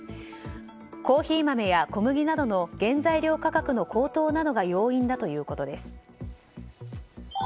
コーヒー豆や小麦などの原材料価格の高騰などが要因だということです。